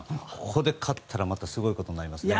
ここで勝ったらまたすごいことになりますね。